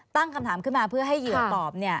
ตั้งคำถามขึ้นมาเพื่อให้เหยื่อตอบ